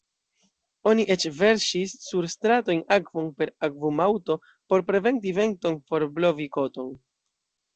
Oni eĉ verŝis sur stratojn akvon per akvumaŭto por preventi venton forblovi koton.